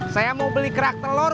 saya mau beli gerak telur